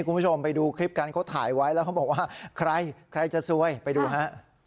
คุณผู้ชมไปดูคลิปกันเขาถ่ายไว้แล้วเขาบอกว่าใครใครจะซวยไปดูฮะ